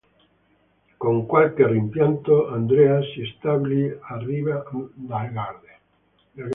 Con qualche rimpianto Andrea si stabilì a Riva del Garda.